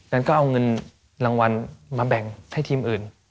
นั้นก็เอาเงินรางวัลมาแบ่งให้ทีมอื่น